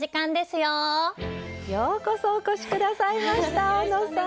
ようこそお越し下さいましたおのさん。